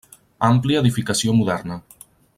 Àmplia edificació moderna.